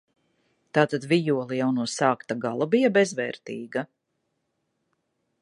Tātad vijole jau no sākta gala bija bezvērtīga?